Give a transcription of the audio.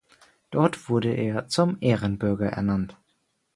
Dort wurde er zum Ehrenbürger ernannt.